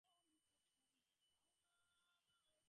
বাকি রাতটা তার জেগেই কাটবে মনে হয়।